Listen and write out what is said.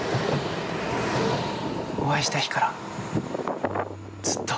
お会いした日からずっと。